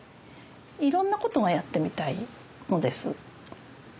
いろんなことがやってみたいのです。